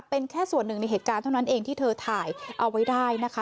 เป็นแค่ส่วนหนึ่งในเหตุการณ์เท่านั้นเองที่เธอถ่ายเอาไว้ได้นะคะ